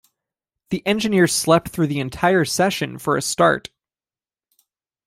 The engineer slept through the entire session for a start.